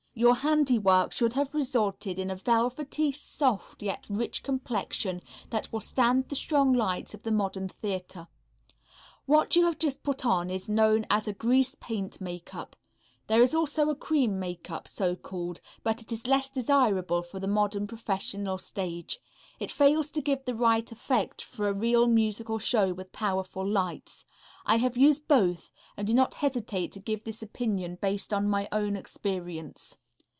Your handiwork should have resulted in a velvety, soft yet rich complexion that will stand the strong lights of the modern theatre. What you have just put on is known as a grease paint makeup. There is also a cream makeup, so called, but it is less desirable for the modern professional stage. It fails to give the right effect for a real musical show with powerful lights. I have used both and do not hesitate to give this opinion based on my own experience.